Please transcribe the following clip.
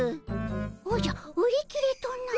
おじゃ売り切れとな。